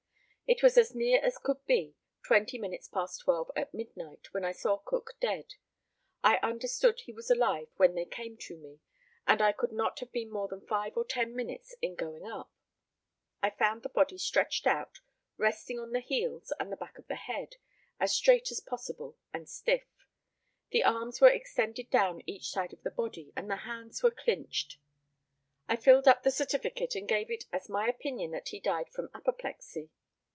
It was as near as could be twenty minutes past twelve at midnight when I saw Cook dead. I understood he was alive when they came to me, and I could not have been more than five or ten minutes in going up. I found the body stretched out, resting on the heels and the back of the head, as straight as possible, and stiff. The arms were extended down each side of the body, and the hands were clinched. I filled up the certificate, and gave it as my opinion that he died from apoplexy.